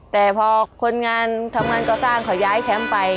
แต่พอคนงานทำงานก่อสร้างเขาย้ายแคมป์ไป